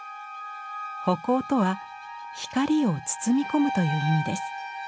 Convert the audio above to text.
葆光とは「光を包み込む」という意味です。